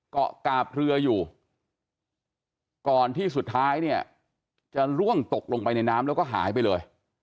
เกาะกาบเรืออยู่ก่อนที่สุดท้ายเนี่ยจะล่วงตกลงไปในน้ำแล้วก็หายไปเลย